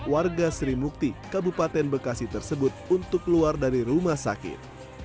warga sri mukti kabupaten bekasi tersebut untuk keluar dari rumah sakit